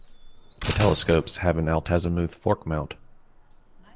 The telescopes have an altazimuth fork mount.